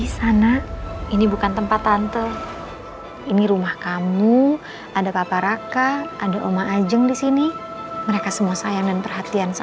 sampai jumpa di video selanjutnya